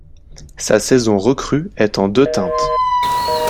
Sa saison recrue est en deux teintes.